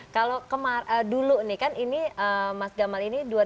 kalau dulu nih kan ini mas gamal ini dua ribu enam ya